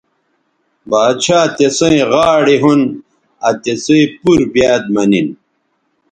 باڇھا تسئیں غاڑے ھون آ تِسئ پور بیاد مہ نن